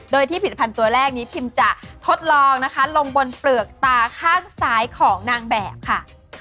โดยที่ผลิตภัณฑ์ตัวแรกนี้พิมจะทดลองนะคะลงบนเปลือกตาข้างซ้ายของนางแบบค่ะ